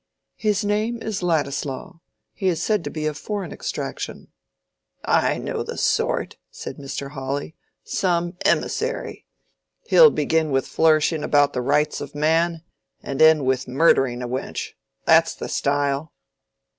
"His name is Ladislaw. He is said to be of foreign extraction." "I know the sort," said Mr. Hawley; "some emissary. He'll begin with flourishing about the Rights of Man and end with murdering a wench. That's the style."